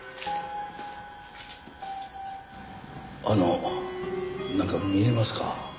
あのなんか見えますか？